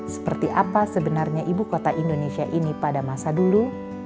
seperti apa sebenarnya ibu kota indonesia ini pada masa dulu